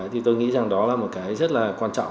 thì tôi nghĩ rằng đó là một cái rất là quan trọng